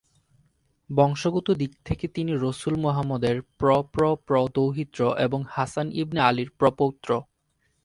বংশগত দিক থেকে তিনি রাসুল মুহাম্মাদ এর প্র-প্র-প্র-দৌহিত্র এবং হাসান ইবনে আলীর প্র-পৌত্র।